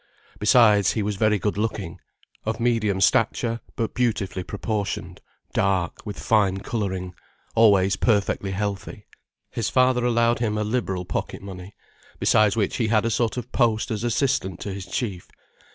Besides, he was very good looking, of medium stature, but beautifully proportioned, dark, with fine colouring, always perfectly healthy. His father allowed him a liberal pocket money, besides which he had a sort of post as assistant to his chief.